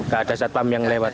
gak ada satpam yang lewat